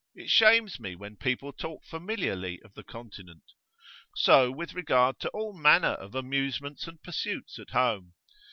It shames me when people talk familiarly of the Continent. So with regard to all manner of amusements and pursuits at home.